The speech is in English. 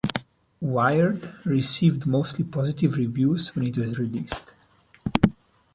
"Wired" received mostly positive reviews when it was released.